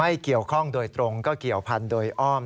ไม่เกี่ยวข้องโดยตรงก็เกี่ยวพันธุ์โดยอ้อม